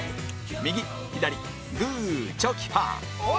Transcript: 右左グーチョキパー